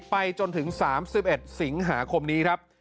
ไปจนถึง๓๑สิงหาคมนี้ครับ